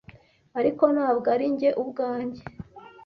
Ariko ntabwo ari njye ubwanjye.